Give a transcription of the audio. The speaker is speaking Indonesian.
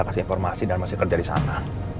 kasih informasi dan masih kerja di sana